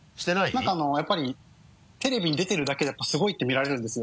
何かやっぱりテレビに出てるだけでやっぱすごいって見られるんですよ。